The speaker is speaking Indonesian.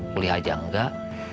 beli aja enggak